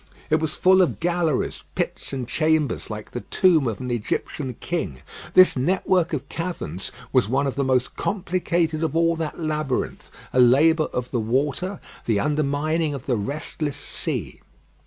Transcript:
It was full of galleries, pits, and chambers, like the tomb of an Egyptian king. This network of caverns was one of the most complicated of all that labyrinth, a labour of the water, the undermining of the restless sea.